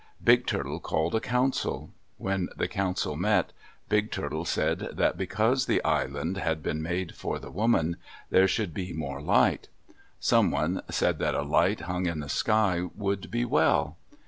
Big Turtle called a council. When the council met, Big Turtle said that because the island had been made for the woman, there should be more light. Someone said that a light hung in the sky would be well.